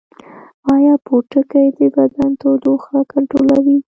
ایا پوټکی د بدن تودوخه کنټرولوي؟